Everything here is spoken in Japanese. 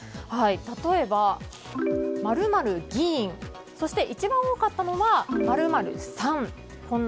例えば、○○議員そして一番多かったのが○○さん